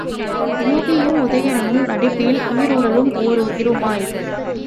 யூகியும் உதயணனும் நட்பில் ஈருடலும் ஒருயிருமாயினர்.